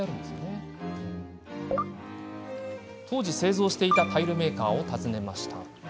当時、製造していたタイルメーカーを訪ねました。